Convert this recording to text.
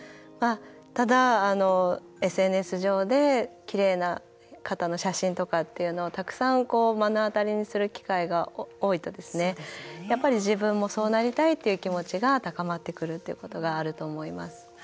ただ、ＳＮＳ上できれいな方の写真とかっていうのをたくさん目の当たりにする機会が多いと自分もそうなりたいという気持ちが高まってくるっていうことがあると思います。